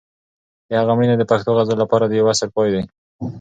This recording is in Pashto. د هغه مړینه د پښتو غزل لپاره د یو عصر پای و.